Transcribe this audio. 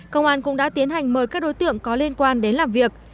công an cũng đã tiến hành mời các đối tượng có liên quan đến làm việc